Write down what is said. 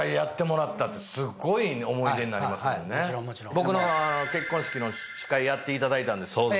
僕の結婚式の司会やっていただいたんです。